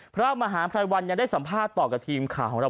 พระมหาภัยวันยังได้สัมภาษณ์ต่อกับทีมข่าวของเรา